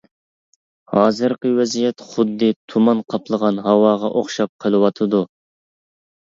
ھازىرقى ۋەزىيەت خۇددى تۇمان قاپلىغان ھاۋاغا ئوخشاپ قېلىۋاتىدۇ.